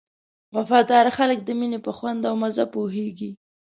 وفاداره خلک د مینې په خوند او مزه پوهېږي.